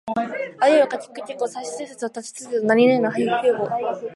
あいうえおかきくけこさしすせそたちつてとなにぬねのはひふへほ